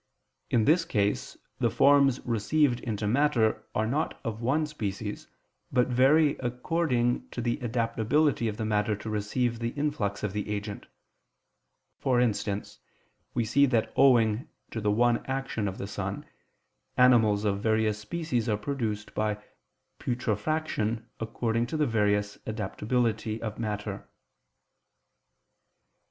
In this case the forms received into matter are not of one species, but vary according to the adaptability of the matter to receive the influx of the agent: for instance, we see that owing to the one action of the sun, animals of various species are produced by putrefaction according to the various adaptability of matter.